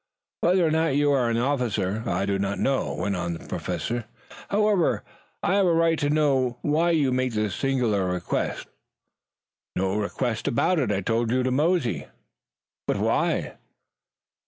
"Whether or not you are an officer I do not know," went on the Professor. "However, I have a right to know why you make this singular request." "No request about it. I told you to mosey." "But why?"